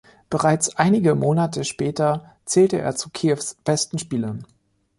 Bereits einige Monate später zählte er zu Kiews besten Spielern.